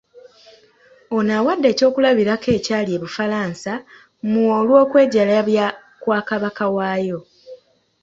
Ono awadde ekyokulabirako ekyali e Bufalansa mu olw’okwejalabya kwa Kabaka waayo.